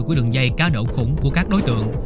của đường dây cá độ khủng của các đối tượng